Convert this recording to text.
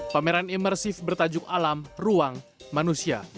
pameran imersif bertajuk alam ruang manusia